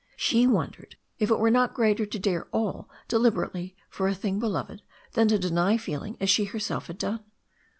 She wondered if it were not greater to dare all deliberately for a thing beloved than to deny feel ing as she herself had done.